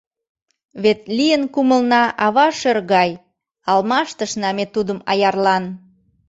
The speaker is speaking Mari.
Вет лийын кумылна ава шӧр гай, алмаштышна ме тудым аярлан.